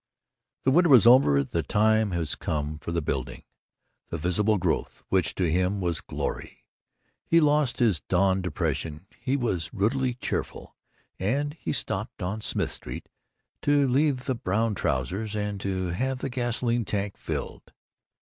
The winter was over; the time was come for the building, the visible growth, which to him was glory. He lost his dawn depression; he was ruddily cheerful when he stopped on Smith Street to leave the brown trousers, and to have the gasoline tank filled.